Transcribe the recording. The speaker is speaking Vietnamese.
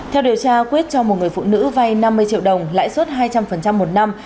theo điều tra quyết cho một người phụ nữ vay năm mươi triệu đồng lãi suất hai trăm linh một năm